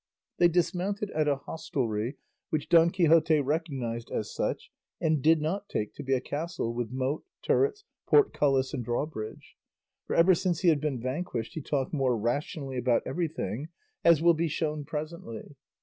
They dismounted at a hostelry which Don Quixote recognised as such and did not take to be a castle with moat, turrets, portcullis, and drawbridge; for ever since he had been vanquished he talked more rationally about everything, as will be shown presently.